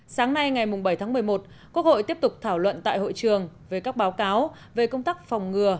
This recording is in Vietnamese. sáng nay ngày bảy tháng một mươi một quốc hội tiếp tục thảo luận tại hội trường về các báo cáo về công tác phòng ngừa